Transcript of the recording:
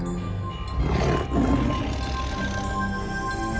dia terkubur excuses di indonesia